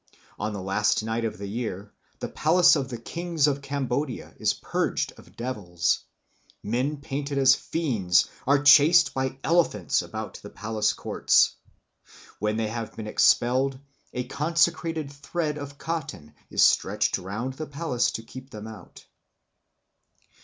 On the last night of the year the palace of the Kings of Cambodia is purged of devils. Men painted as fiends are chased by elephants about the palace courts. When they have been expelled, a consecrated thread of cotton is stretched round the palace to keep them out.